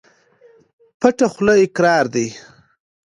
پټه خوله اقرار ده.